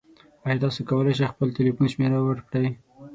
ایا تاسو کولی شئ خپل تلیفون شمیره ورکړئ؟